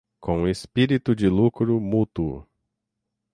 com espírito de lucro mútuo